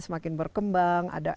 apa itu dengan mantan